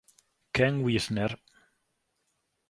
Ken Wiesner